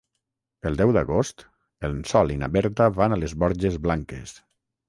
El deu d'agost en Sol i na Berta van a les Borges Blanques.